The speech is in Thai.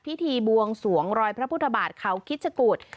พิธีบวงสวงรอยพระพุทธบาทเขาคิดชะกุฎ